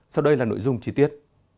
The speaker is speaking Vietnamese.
sau đây là nội dung chi tiết